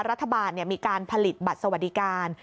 รัฐบาลมีการผลิตบัตรสวัสดิการ